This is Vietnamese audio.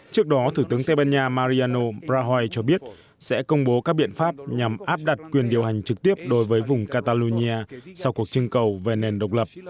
trước đó thủ tướng tây ban nha mariano prahi cho biết sẽ công bố các biện pháp nhằm áp đặt quyền điều hành trực tiếp đối với vùng catalonia sau cuộc trưng cầu về nền độc lập